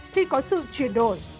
khi có sự chuyển đổi